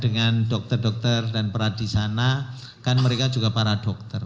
dengan dokter dokter dan peradi sana kan mereka juga para dokter